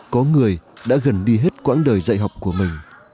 có người đã gần đi hết quãng đời dạy học của mình